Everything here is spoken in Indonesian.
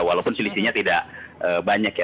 walaupun selisihnya tidak banyak ya